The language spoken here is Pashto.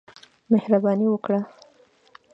مهرباني وکړه.